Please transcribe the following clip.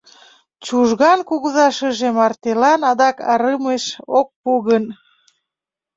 Чужган кугыза шыже мартелан адак арымеш ок пу гын?